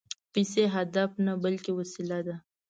پیسې هدف نه، بلکې وسیله ده